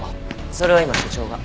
それは今所長が。